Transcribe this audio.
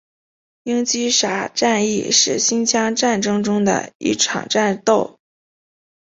英吉沙战役是新疆战争中的一场战斗。